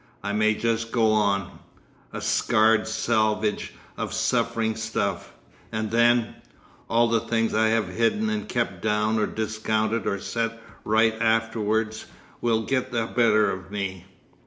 I may just go on—a scarred salvage of suffering stuff. And then—all the things I have hidden and kept down or discounted or set right afterwards will get the better of me.